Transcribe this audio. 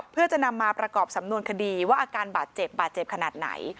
เพื่อจะนำมาประกอบสำนวนคดีว่าอาการบาดเจ็บบาดเจ็บขนาดไหน